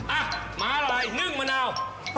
อ่ะหมาลายนึ่งมะนาว